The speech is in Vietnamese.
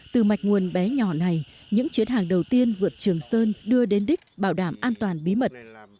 từ mạch nguồn bé nhỏ này những chuyến hàng đầu tiên vượt trường sơn đưa đến đích bảo đảm an toàn bí mật